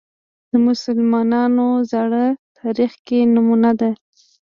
د مسلمانانو زاړه تاریخ کې نمونه ده